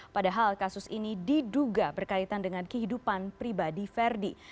padahal kasus ini diduga berkaitan dengan kehidupan pribadi ferdi